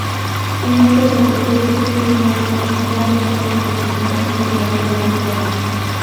En estas altitudes, el clima es más templado con una precipitación relativamente alta.